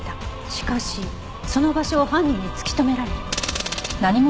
しかしその場所を犯人に突き止められ。